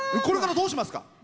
これからどうしますか？